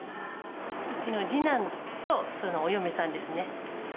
うちの次男と、そのお嫁さんですね。